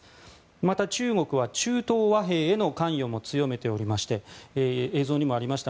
また、中国は中東和平への関与も強めておりまして映像にもありました